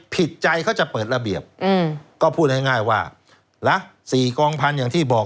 ผิดใจเขาจะเปิดระเบียบก็พูดง่ายว่าละ๔กองพันอย่างที่บอก